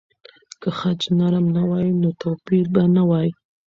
که خج نرم نه وای، نو توپیر به نه وای.